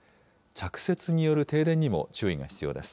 着雪による停電にも注意が必要です。